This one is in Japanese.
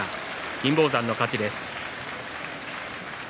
金峰山の勝ちです。